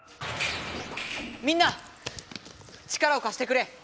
みんな力をかしてくれ！